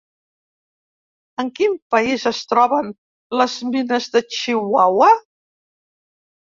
En quin país es troben les mines de Chihuahua?